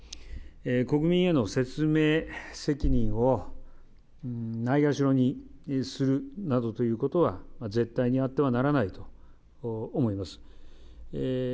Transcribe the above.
国民への説明責任をないがしろにするなどということは絶対にあってはならないと思います。